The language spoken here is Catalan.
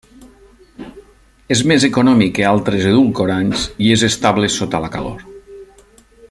És més econòmic que altres edulcorants i és estable sota la calor.